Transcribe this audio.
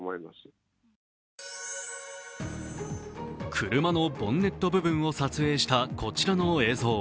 車のボンネット部分を撮影したこちらの映像。